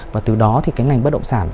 và từ đó thì cái ngành bất động sản